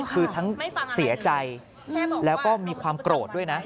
คือทั้งเสียใจแล้วก็มีความโกรธด้วยนะ